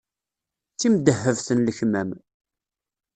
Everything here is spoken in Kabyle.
D timdehhebt n lekmam.